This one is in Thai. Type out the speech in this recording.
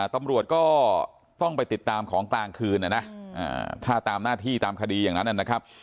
ตำรวจก็ต้องไปติดตามของกลางคืนนะถ้าตามหน้าที่ตามคดีอย่างนั้นนะครับ